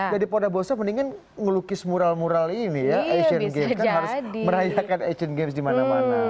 daripada bosan mendingan ngelukis mural mural ini ya asian games kan harus merayakan asian games di mana mana